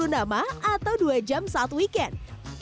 lima puluh nama atau dua jam saat weekend